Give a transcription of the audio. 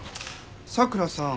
佐倉さん。